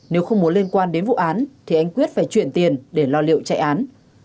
nếu không muốn liên quan đến vụ án thì anh quyết phải chuyển tiền để lo liệu chạy án